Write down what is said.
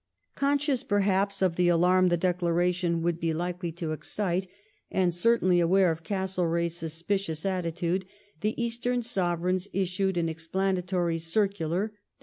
.1 Conscious, perhaps, of the alarm the declaration would be likely to excite, and certainly aware of Castlereagh's suspicious attitude, the Eastern Sovereigns issued an explanatory circular (Dec.